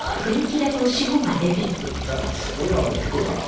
じゃあ俺らも行こうかな。